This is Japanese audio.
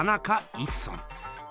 一村？